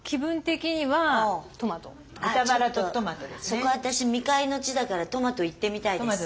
そこ私未開の地だからトマトいってみたいです。